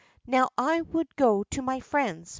ISToav I Avould go to my friends.